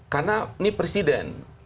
karena ini presiden